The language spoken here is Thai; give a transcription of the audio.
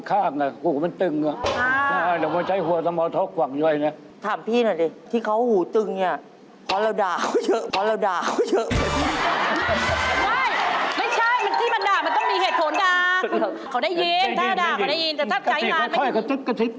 แต่ถ้าใช้งานไม่ได้ยิน